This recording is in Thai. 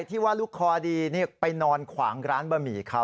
ที่ว่าลูกคอดีไปนอนขวางร้านบะหมี่เขา